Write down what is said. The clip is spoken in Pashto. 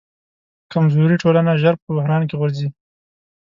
کمزورې ټولنه ژر په بحران کې غورځي.